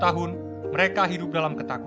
karena ini lahan lain pak